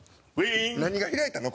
何が開いたの？